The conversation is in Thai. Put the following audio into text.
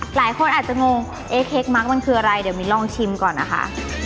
หลายคนอาจจะงงเอ๊เค้กมักมันคืออะไรเดี๋ยวมิ้นลองชิมก่อนนะคะ